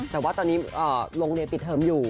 แต่ว่าตอนนี้โรงเรียนปิดเทิมอยู่